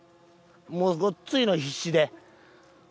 ごっついの必死で。